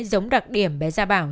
giống đặc điểm bé xa bảo